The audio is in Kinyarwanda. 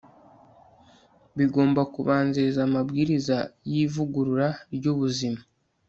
Bigomba Kubanziriza Amabwiriza yIvugurura ryUbuzima